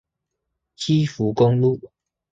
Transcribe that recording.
基福公路